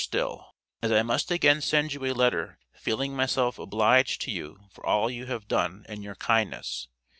STILL: As I must again send you a letter fealing myself oblidge to you for all you have done and your kindness.